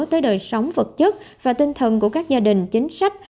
tới đời sống vật chất và tinh thần của các gia đình chính sách